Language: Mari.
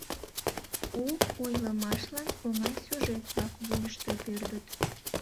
У ойлымашлан оҥай сюжет-влак вуйышто пӧрдыт.